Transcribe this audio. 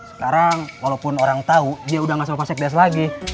sekarang walaupun orang tahu dia udah gak sama pak sekdes lagi